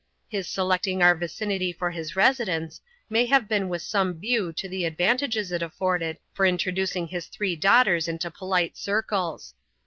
His selecting our vicinity for his residence, may have been with some view to the advantages it afforded for introducing his three daughters into polite circles.